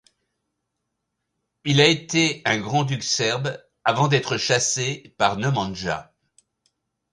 Il a été un grand duc serbe avant d'être chassé par Nemanja.